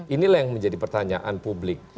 inilah yang menjadi pertanyaan publik